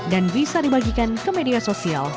dan bisa dibagikan ke media sosial